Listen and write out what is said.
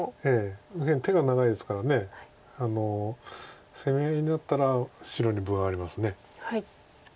右辺手が長いですから攻め合いになったら白に分はあります。